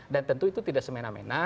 dan tentu itu tidak semena mena